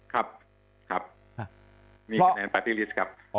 ครับครับมีคะแนนปาร์ตี้ลิสต์ครับ